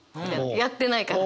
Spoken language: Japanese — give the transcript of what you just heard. やってないから。